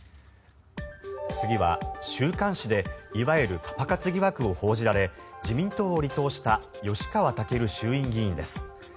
次は週刊誌でいわゆるパパ活疑惑を報じられ自民党を離党した吉川赳衆院議員です。